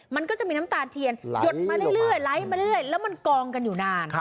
มันก็จะมีน้ำตาเทียนหยดมาเรื่อยแล้วมันกองกันอยู่นาน